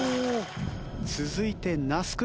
続いて那須君。